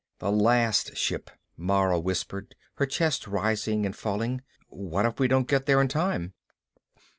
"The last ship," Mara whispered, her chest rising and falling. "What if we don't get there in time?"